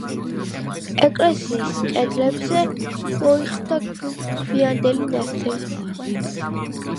ეკლესიის კედლებზე მოიხსნა გვიანდელი ნალესობა.